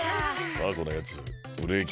タアコのやつブレーキ